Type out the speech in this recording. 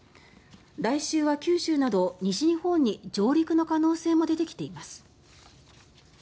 来週は九州など西日本に上陸の可能性も出てきています。